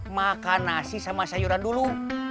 makan nasi sama sayuran dulu